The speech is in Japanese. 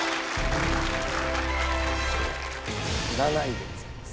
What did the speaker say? ７位でございます。